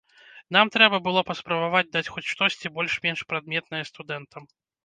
Нам трэба было паспрабаваць даць хоць штосьці больш-менш прадметнае студэнтам.